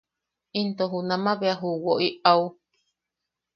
Into junama bea ju wo’i au.